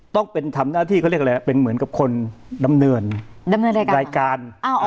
ต้องเป็นทำหน้าที่เขาเรียกอะไรเป็นเหมือนกับคนดำเนินรายการ